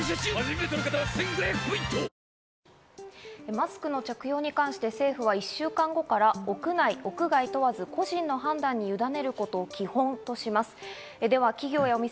マスクの着用に関して政府は１週間後から屋内・屋外問わず、個人の判断にゆだねることを基本とします。